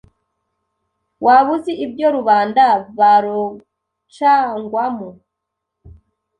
Waba uzi ibyo rubanda barocangwamo